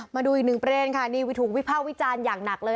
มาดูอีกหนึ่งประเด็นค่ะนี่ถูกวิภาควิจารณ์อย่างหนักเลย